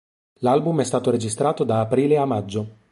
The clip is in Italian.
L'album è stato registrato da aprile a maggio.